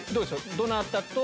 どなたと。